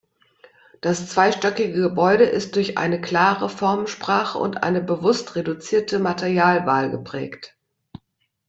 Das zweistöckige Gebäude ist durch eine klare Formensprache und eine bewusst reduzierte Materialwahl geprägt.